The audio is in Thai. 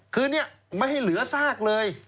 คือเนี่ยไม่ให้เหลือซากเลย